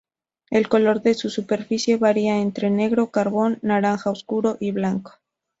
El color de su superficie varía entre negro carbón, naranja oscuro y blanco.